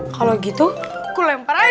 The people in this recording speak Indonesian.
kalau gitu aku lempar aja